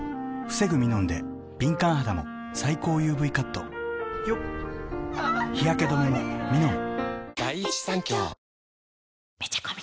防ぐミノンで敏感肌も最高ＵＶカット日焼け止めもミノン！